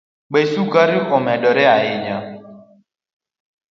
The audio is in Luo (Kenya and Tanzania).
Bech sukari omedore ahinya